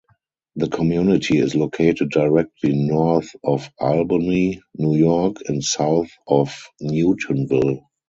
The community is located directly north of Albany, New York and south of Newtonville.